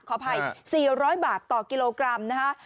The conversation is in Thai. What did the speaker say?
ขออภัย๔๐๐บาทต่อกิโลกรัมนะคะ